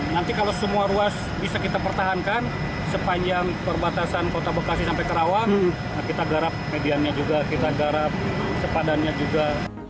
nanti kalau semua ruas bisa kita pertahankan sepanjang perbatasan kota bekasi sampai ke rawang kita garap mediannya juga kita garap sepadannya juga